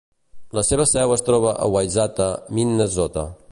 La seva seu es troba en Wayzata, Minnesota.